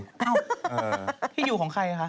อ้าวพี่อยู่ของใครคะ